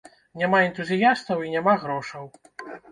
Няма энтузіястаў, і няма грошаў.